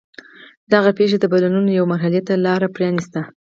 دغه پېښې د بدلونونو یوې مرحلې ته لار پرانېسته.